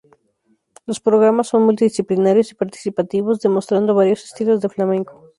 Los programas son multidisciplinarios y participativos, demostrando varios estilos de flamenco.